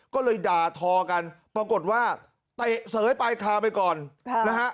ก็เลยด่าทอกันปรากฏว่าเตะเสยปลายคาไปก่อนนะฮะ